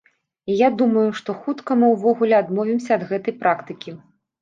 І я думаю, што хутка мы ўвогуле адмовімся ад гэтай практыкі.